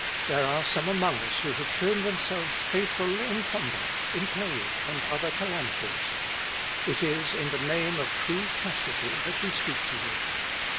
There are some among us who have shown themselves faithful in combat, in plague, and other calamities. It is in the name of true chastity that we speak to you.